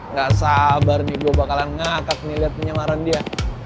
gak sabar nih gua bakalan ngakak nih liat penyamaran dia